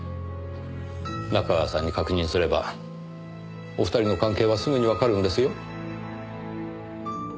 仲川さんに確認すればお二人の関係はすぐにわかるんですよ？